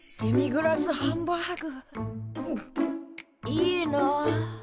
いいな。